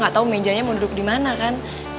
gak tau mejanya mau duduk dimana kan